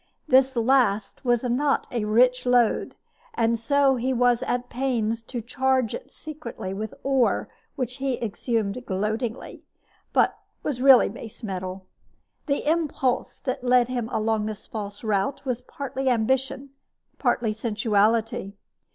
This last was not a rich lode, and so he was at pains to charge it secretly with ore which he exhumed gloatingly, but which was really base metal. The impulse that led him along this false route was partly ambition, partly sensuality.